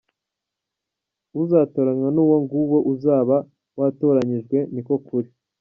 Uzatoranywa ni uwo nguwo uzaba watoranyijwe, ni ko kuri.